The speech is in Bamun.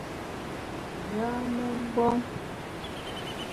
Yâne mgbom !